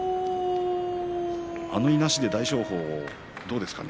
あのいなしで大翔鵬どうですかね。